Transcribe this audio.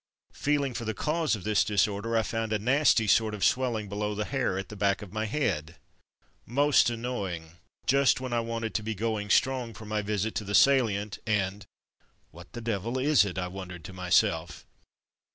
Feeling for the cause of this disorder I found a nasty sort of swelling below the hair at the back of my head. Most annoying just when I wanted to be going strong for my visit to The Salient, and— "What the devil is it.?'' I wondered to myself.